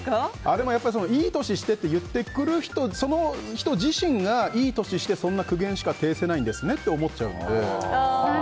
俺も、いい年してって言ってくる、その人自身がいい年して、そんな苦言しか呈せないんですねって思っちゃうので。